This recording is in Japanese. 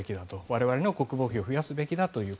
我々の国防費を増やすべきだという